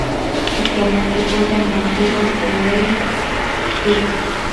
Actualmente juega en Monteros Vóley Club.